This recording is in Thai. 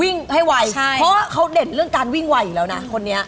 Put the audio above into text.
วิ่งให้ไวใช่เพราะว่าเขาเด่นเรื่องการวิ่งไวอยู่แล้วนะคนนี้